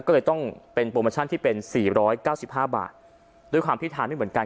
ก็เลยต้องเป็นโปรโมชั่นที่เป็นสี่ร้อยเก้าสิบห้าบาทด้วยความที่ทานไม่เหมือนกัน